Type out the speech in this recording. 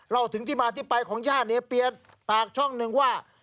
เราถึงที่มาที่ไปของย่าเนเปียนปากช่องหนึ่งว่า